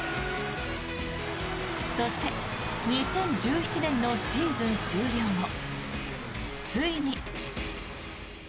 そして、２０１７年のシーズン終了後、ついに。